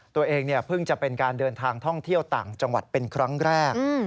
ตัวเองเพิ่งจะเป็นการเดินทางท่องเที่ยวต่างจังหวัดเป็นครั้งแรก